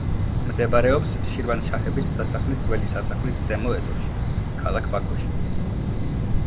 მდებარეობს შირვანშაჰების სასახლის ძველი სასახლის ზემო ეზოში ქალაქ ბაქოში.